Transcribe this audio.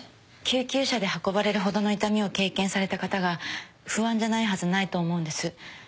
救急車で運ばれるほどの痛みを経験された方が不安じゃないはずないと思うんです。